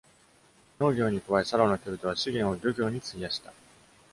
農業に加え、サロの人々は資源を漁業に費やした。